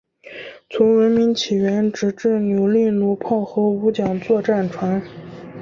从文明起源直至扭力弩炮和五桨座战船。